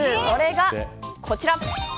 それがこちら。